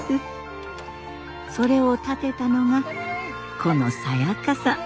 それを建てたのがこのサヤカさん。